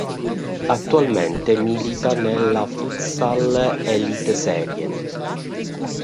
Attualmente milita nella Futsal Eliteserien.